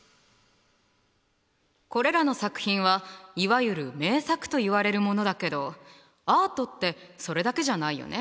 これらの作品はいわゆる「名作」といわれるものだけどアートってそれだけじゃないよね。